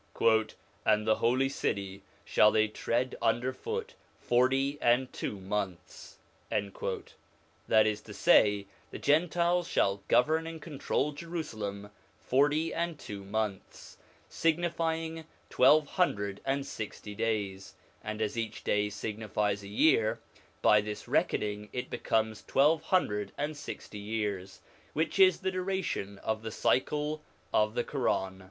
' And the holy city shall they tread under foot forty and two months/ that is to say, the Gentiles shall govern and control Jerusalem forty and two months, signifying twelve hundred and sixty days ; and as each day signi fies a year, by this reckoning it becomes twelve hundred and sixty years, which is the duration of the cycle of the Quran.